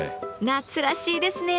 夏らしいですね。